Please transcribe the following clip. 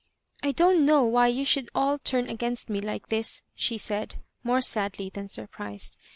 *'I don't know why you should all turn against me like this,'' she said, more sadly than surprised.